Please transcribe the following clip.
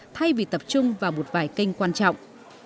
thay vì tập trung vào một vài kênh quan trọng